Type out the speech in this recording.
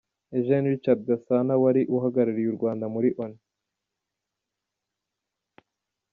Eugene Richard Gasana wari uhagarariye u Rwanda muri Loni